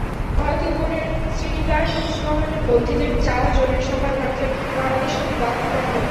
ভারতীয় বোর্ডের শ্রীনিবাসনপন্থীদের চাওয়া, জরুরি সভায় ভারতের বাংলাদেশ সফর বাতিল করা হোক।